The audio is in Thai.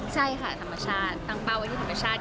ใช่ค่ะธรรมชาติตั้งเปล่าว่าเป็นธรรมชาติ